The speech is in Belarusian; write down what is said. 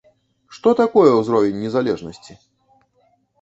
Што такое ўзровень незалежнасці?